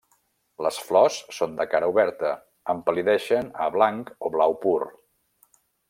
Les flors són de cara oberta, empal·lideixen a blanc o blau pur.